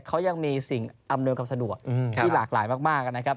เขายังมีสิ่งอำนวยความสะดวกที่หลากหลายมากนะครับ